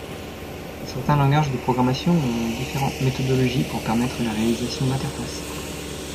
Certains langages de programmation ont différentes méthodologies pour permettre la réalisation d'interfaces.